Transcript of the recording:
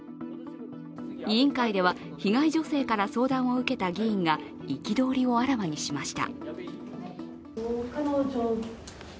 委員会では被害女性から相談を受けた議員が憤りをあらわにしました。